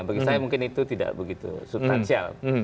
bagi saya mungkin itu tidak begitu substansial